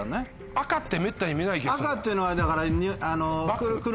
赤ってめったに見ない気がする。